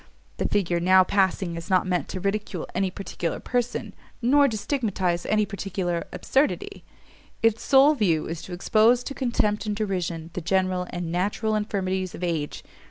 The figure now passing is not meant to ridicule any particular person, nor to stigmatize any particular absurdity; its sole view is to expose to contempt and derision the general and natural infirmities of age!